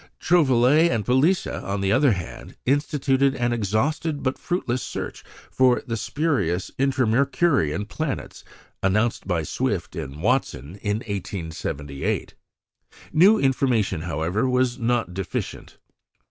Trouvelot and Palisa, on the other hand, instituted an exhaustive, but fruitless search for the spurious "intramercurian" planets announced by Swift and Watson in 1878. New information, however, was not deficient.